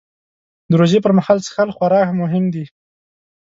د روژې پر مهال څښل خورا مهم دي